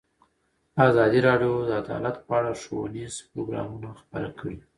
ازادي راډیو د عدالت په اړه ښوونیز پروګرامونه خپاره کړي.